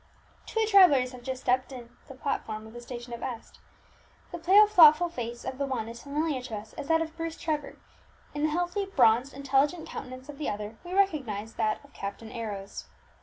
Two travellers have just stepped on the platform of the station of S . The pale thoughtful face of the one is familiar to us as that of Bruce Trevor; in the healthy, bronzed, intelligent countenance of the other we recognize that of Captain Arrows.